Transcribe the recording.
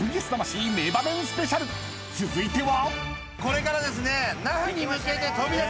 ［続いては］